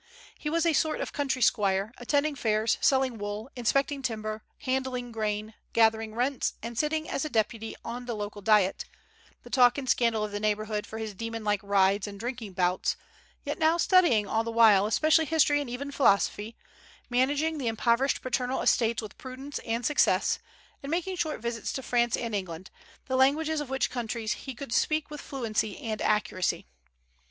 He was a sort of country squire, attending fairs, selling wool, inspecting timber, handling grain, gathering rents, and sitting as a deputy in the local Diet, the talk and scandal of the neighborhood for his demon like rides and drinking bouts, yet now studying all the while, especially history and even philosophy, managing the impoverished paternal estates with prudence and success, and making short visits to France and England, the languages of which countries he could speak with fluency and accuracy.